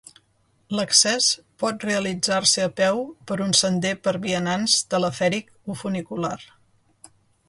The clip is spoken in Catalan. L'accés pot realitzar-se a peu per un sender per a vianants, telefèric o funicular.